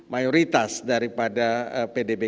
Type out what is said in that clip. mayoritas daripada pdb